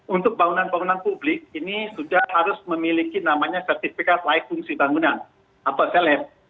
untuk bangunan bangunan publik ini sudah harus memiliki namanya sertifikat layak fungsi bangunan atau self